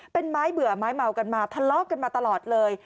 เป็นไม้เบื่อไม้เมากันมาทะเลาะกันมาตลอดเลย